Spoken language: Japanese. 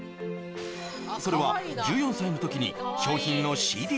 それは１４歳の時に賞品のＣＤ